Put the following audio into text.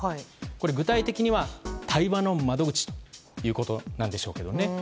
具体的には、対話の窓口ということなんでしょうけどね。